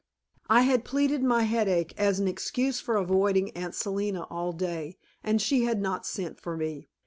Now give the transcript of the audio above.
I had pleaded my headache as an excuse for avoiding Aunt Selina all day, and she had not sent for me.